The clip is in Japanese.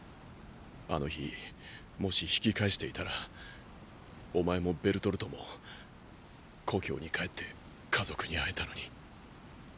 あの日もし引き返していたらお前もベルトルトも故郷に帰って家族に会えたのに。